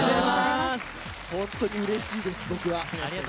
本当にうれしいです、僕は。